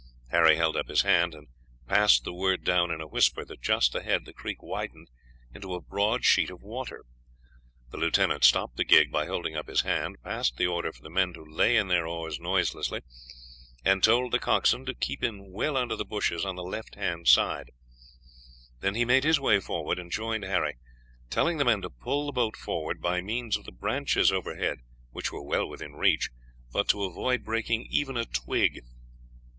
Harry held up his hand, and passed the word down in a whisper that just ahead the creek widened into a broad sheet of water. The lieutenant stopped the gig by holding up his hand, passed the order for the men to lay in their oars noiselessly, and told the coxswain to keep in well under the bushes on the left hand side; then he made his way forward, and joined Harry, telling the men to pull the boat forward by means of the branches overhead which were well within reach, but to avoid breaking even a twig.